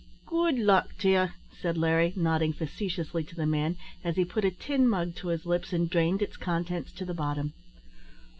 "Good luck to ye!" said Larry, nodding facetiously to the man, as he put a tin mug to his lips, and drained its contents to the bottom.